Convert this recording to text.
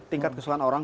tingkat kesukaan orang